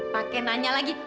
pak ken nanya lagi